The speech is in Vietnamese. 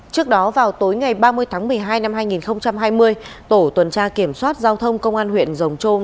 trước đó vào tối ngày ba mươi tháng một mươi hai năm hai nghìn hai mươi tổ tuần tra kiểm soát giao thông công an huyện rồng trôm